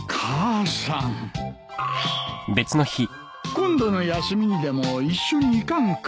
今度の休みにでも一緒に行かんか？